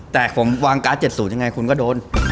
แต่ผมวางการ์ด๗๐ยังไงคุณก็โดน